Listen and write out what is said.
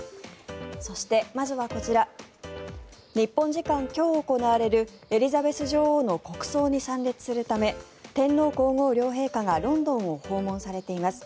そして、まずはこちら日本時間今日行われるエリザベス女王の国葬に参列するため天皇・皇后両陛下がロンドンを訪問されています。